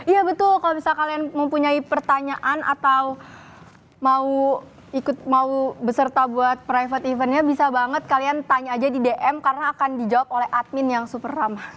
iya betul kalau misalnya kalian mempunyai pertanyaan atau mau ikut mau beserta buat private evennya bisa banget kalian tanya aja di dm karena akan dijawab oleh admin yang super ramah